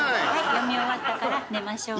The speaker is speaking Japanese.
読み終わったから寝ましょうね。